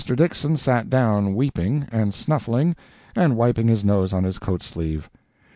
Dixson sat down weeping, and snuffling, and wiping his nose on his coat sleeve.